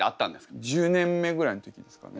１０年目ぐらいの時ですかね。